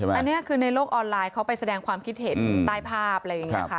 อันนี้คือในโลกออนไลน์เขาไปแสดงความคิดเห็นใต้ภาพอะไรอย่างนี้ค่ะ